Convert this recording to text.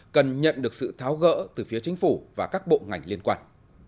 cần nhận được sự tháo gỡ từ phía chính phủ và các bộ ngành liên quan